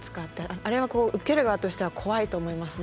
あれは受ける側としては怖いと思いますね。